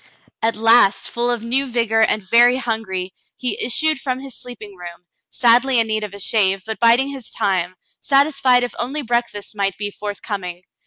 At last, full of new vigor and very hungry, he issued from his sleeping room, sadly in need of a shave, but biding his time, satisfied if only breakfast might be forth coming.